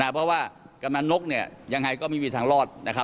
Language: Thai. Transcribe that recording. เพราะว่ากำนันนกยังไงก็ไม่มีทางรอด